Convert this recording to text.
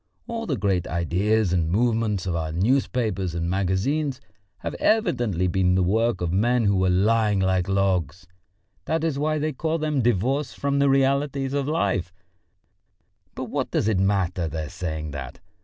All the great ideas and movements of our newspapers and magazines have evidently been the work of men who were lying like logs; that is why they call them divorced from the realities of life but what does it matter, their saying that!